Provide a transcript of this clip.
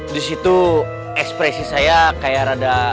disitu ekspresi saya kayak rada eee